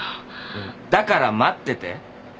だから待ってて。